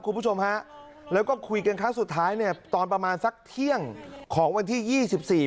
คุณผู้ชมฮะแล้วก็คุยกันครั้งสุดท้ายเนี่ยตอนประมาณสักเที่ยงของวันที่ยี่สิบสี่